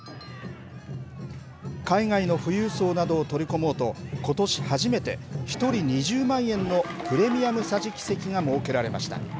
海外の富裕層などを取り込もうと、ことし初めて、１人２０万円のプレミアム桟敷席が設けられました。